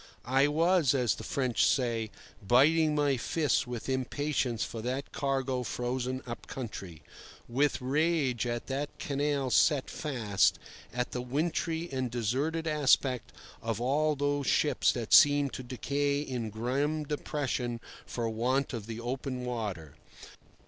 I was, as the French say, biting my fists with impatience for that cargo frozen up country; with rage at that canal set fast, at the wintry and deserted aspect of all those ships that seemed to decay in grim depression for want of the open water.